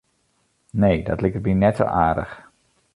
Nee, dat liket my net sa aardich.